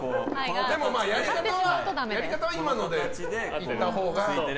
やり方は今のでいったほうが。